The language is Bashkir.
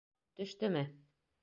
Төштөмө?